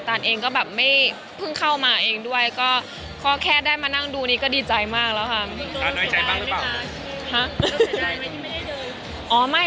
เองก็แบบไม่เพิ่งเข้ามาเองด้วยก็แค่ได้มานั่งดูนี่ก็ดีใจมากแล้วค่ะ